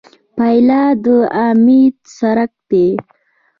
پیاله د امید څرک ده.